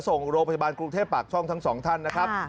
ส่งโรงพยาบาลกรุงเทพปากช่องทั้งสองท่านนะครับ